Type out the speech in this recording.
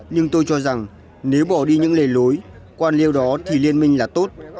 nhưng tôi cho rằng nếu bỏ đi những lề lối quan liêu đó thì liên minh là tốt